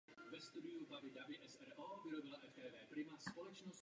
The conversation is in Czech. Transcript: V té době je uváděn jako docent Filozofické fakulty Univerzity Komenského v Bratislavě.